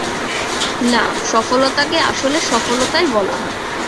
না, সফলতাকে আসলে সফলতাই বলা হয়।